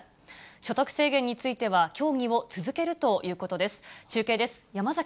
所得制限については協議を続けるということです。